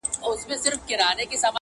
څوک چي ددې دور ملګري او ياران ساتي-